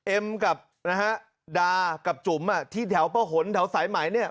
เอ็มกับนะฮะดากับจุ๋มที่แถวป้าหนแถวสายไหมเนี่ย